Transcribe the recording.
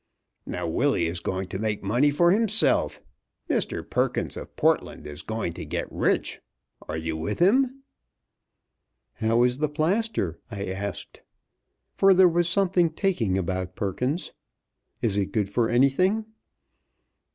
Now Willie is going to make money for himself. Mr. Perkins of Portland is going to get rich. Are you with him?" "How is the plaster?" I asked, for there was something taking about Perkins. "Is it good for anything?"